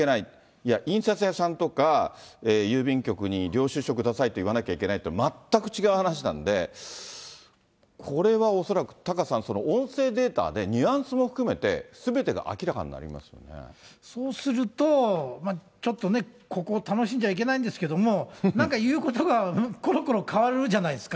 いや、印刷屋さんとか、郵便局に領収書下さいと言わなきゃいけないというのと全く違う話なんで、これは恐らくタカさん、音声データでニュアンスも含めて、そうすると、ちょっとね、ここを楽しんじゃいけないんですけど、なんか言うことがころころ変わるじゃないですか。